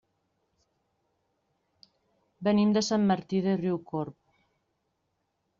Venim de Sant Martí de Riucorb.